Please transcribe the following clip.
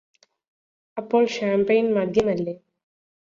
അപ്പോൾ ഷാംപെയിന് മദ്യമല്ലേ